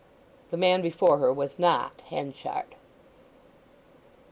The man before her was not Henchard.